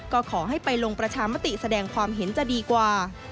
ก็ขอให้ไปลงประชามติแสดงความเห็นจะดีกว่า